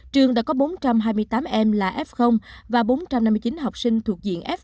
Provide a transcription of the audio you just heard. trường đã có bốn trăm hai mươi tám em là f và bốn trăm năm mươi chín học sinh thuộc diện f hai